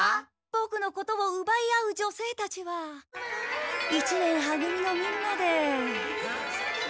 ボクのことをうばい合う女性たちは一年は組のみんなで。